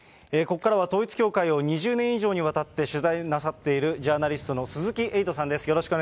ここからは統一教会を２０年以上にわたって取材なさっている、ジャーナリストの鈴木エイトさんです。